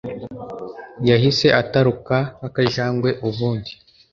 yahise ataruka nkakajagwe ubundi